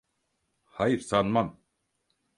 Hayır, sanmam.